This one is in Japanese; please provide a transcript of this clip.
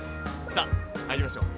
さあ入りましょう！